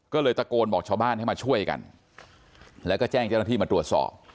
ก็เลยตะโกนบอกชาวบ้านให้มาช่วยกันแล้วก็แจ้งเจ้าหน้าที่มาตรวจสอบ